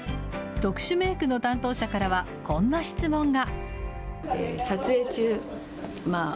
特殊メークの担当者からはこんな質問が。